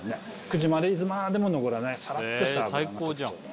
口までいつまでも残らないさらっとした脂が特徴。